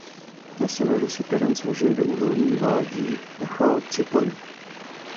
Na severu se terén svažuje do údolí vádí Nachal Cipori.